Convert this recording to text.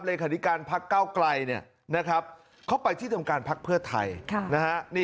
เลยคณิการพักก้าวไกลเนี่ยนะครับเขาไปที่จำการพักเพื่อไทยนะฮะ